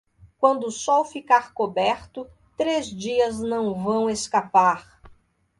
Quando o sol ficar coberto, três dias não vão escapar.